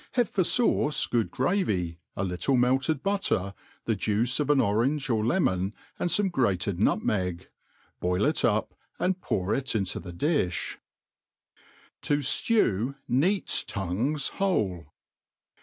Have for fauce good gravy, a little melted butter, the juipe of an orange or lemon, and fome grated nutmeg; boil it up, and pqur it into the dilh. * To Jlew Neats Tongues whole.